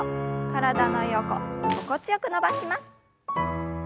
体の横心地よく伸ばします。